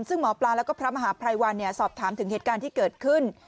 ซึ่งหมอปลาแล้วก็พระมหาภัยวันสอบถามถึงเหตุการณ์ที่เกิดขึ้น